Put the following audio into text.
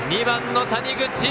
２番の谷口。